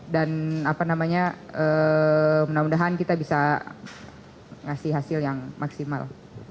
dan apa namanya mudah mudahan kita bisa ngasih hasil yang maksimal